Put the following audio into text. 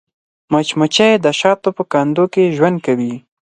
مچمچۍ د شاتو په کندو کې ژوند کوي